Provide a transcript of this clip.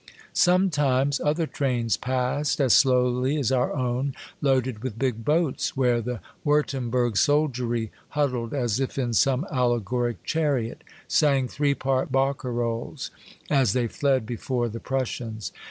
Sometimes other trains passed, as slowly as our own, loaded with big boats, where the Wiirtemberg soldiery, huddled as if in some allegoric chariot, sang three part bar carolles as they fled before the Prussians.